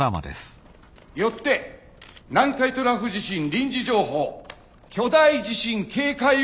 よって南海トラフ地震臨時情報巨大地震警戒を発出いたします。